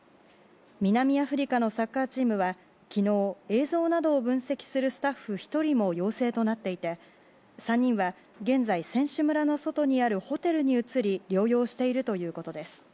南アフリカのサッカーチームは昨日映像などを分析するスタッフ１人も陽性となっていて３人は現在選手村の外にあるホテルに移り療養しているということです。